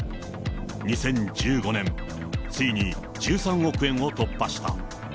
２０１５年、ついに１３億円を突破した。